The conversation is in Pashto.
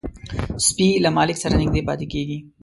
سپي له مالک سره نږدې پاتې کېږي.